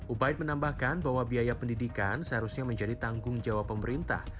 ubaid menambahkan bahwa biaya pendidikan seharusnya menjadi tanggung jawab pemerintah